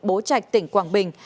bố trạch tỉnh quảng bình